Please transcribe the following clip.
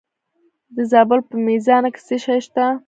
د زابل په میزانه کې څه شی شته؟